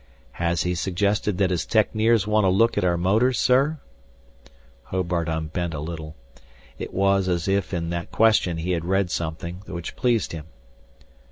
"Has he suggested that his techneers want a look at our motors, sir?" Hobart unbent a little. It was as if in that question he had read something which pleased him.